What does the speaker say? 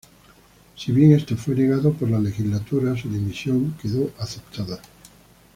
Si bien esto fue negado por la Legislatura, su dimisión quedó aceptada.